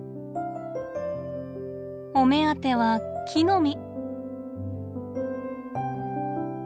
お目当ては木の実。